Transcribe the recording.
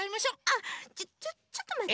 あっちょっちょっとまって。